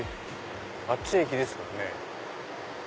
あっち駅ですからね。